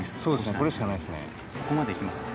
これしかないですね。